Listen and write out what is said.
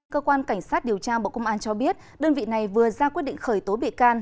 cơ quan cảnh sát điều tra bộ công an cho biết đơn vị này vừa ra quyết định khởi tố bị can